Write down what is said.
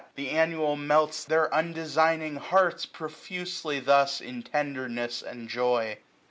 And annual melts their undesigning hearts Profusely thus in tenderness and joy.